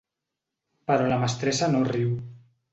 Però la mestressa no riu.